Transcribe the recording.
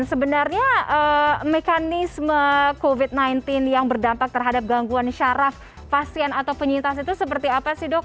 sebenarnya mekanisme covid sembilan belas yang berdampak terhadap gangguan syaraf pasien atau penyintas itu seperti apa sih dok